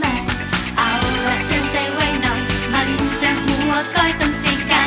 เอาล่ะเตือนใจไว้หน่อยมันจะหัวก้อยต้องใจกัน